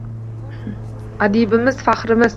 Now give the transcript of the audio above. Adibimiz – faxrimiz